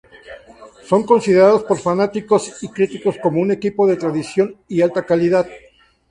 Son considerados por fanáticos y críticos como un equipo de tradición y alta calidad.